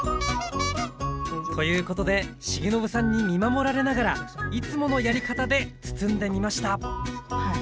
ということで重信さんに見守られながらいつものやり方で包んでみました